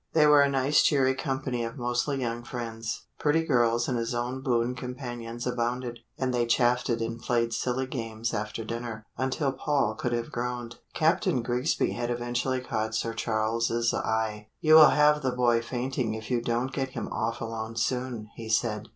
They were a nice cheery company of mostly young friends. Pretty girls and his own boon companions abounded, and they chaffed and played silly games after dinner until Paul could have groaned. Captain Grigsby had eventually caught Sir Charles' eye: "You will have the boy fainting if you don't get him off alone soon," he said.